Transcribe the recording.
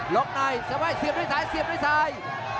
ล้อมในเสื้อว่ายเสียบด้วยสายเสียบด้วยสาย